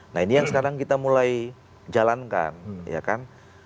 nah ini yang sekarang kita mulai jalankan